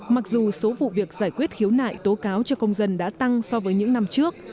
mặc dù số vụ việc giải quyết khiếu nại tố cáo cho công dân đã tăng so với những năm trước